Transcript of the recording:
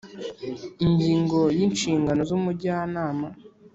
Ingingo y Inshingano z umujyanama